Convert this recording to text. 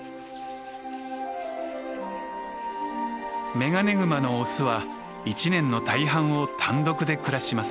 メガネグマのオスは一年の大半を単独で暮らします。